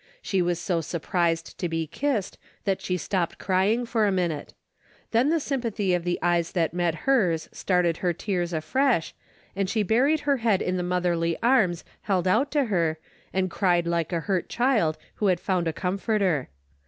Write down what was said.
She was so surprised to be kissed, that she stopped crying for a minute. Then the sympathy of DAILY RATE.'' 291 the eyes that met hers started her tears afresh, and she buried her head in the motherly arms held out to her and cried like a hurt child who had found a comforter.